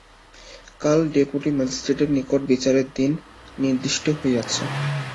কাল ডেপুটি ম্যাজিস্ট্রেটের নিকট বিচারের দিন নির্দিষ্ট হইয়াছে।